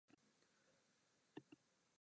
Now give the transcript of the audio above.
明後日は雪が降るみたい